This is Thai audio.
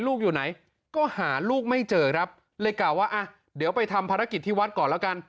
ลูกอยู่ไหนก็หาลูกไม่เจอครับเลยกล่าวว่าอ่ะเดี๋ยวไปทำภารกิจที่วัดก่อนแล้วกัน